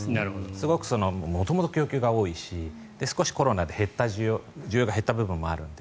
すごく元々、供給が多いし少しコロナで需要が減った部分もあるので。